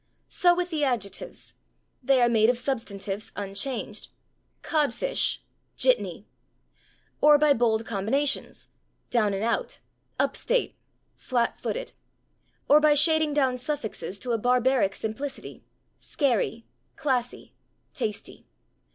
So with the adjectives. They are made of substantives unchanged: /codfish/, /jitney/. Or by bold combinations: /down and out/, /up state/, /flat footed/. Or by shading down suffixes to a barbaric simplicity: /scary/, /classy/, /tasty